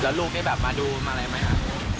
แล้วลูกได้แบบมาดูมาอะไรไหมครับ